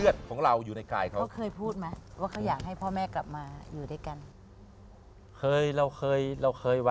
ด้วย